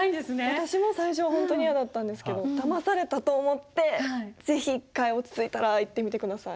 私も最初は本当に嫌だったんですけどだまされたと思って是非１回落ち着いたら行ってみてください。